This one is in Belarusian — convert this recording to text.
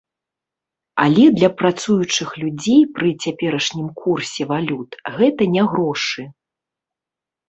Але для працуючых людзей пры цяперашнім курсе валют гэта не грошы.